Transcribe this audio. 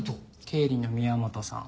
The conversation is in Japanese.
経理の宮本さん。